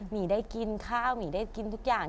หิได้กินข้าวหมีได้กินทุกอย่าง